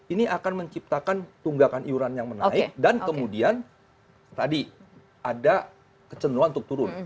ini akan menciptakan tunggakan iuran yang menaik dan kemudian tadi ada kecenderungan untuk turun